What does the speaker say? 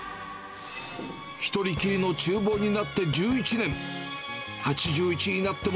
１人きりのちゅう房になって１１年。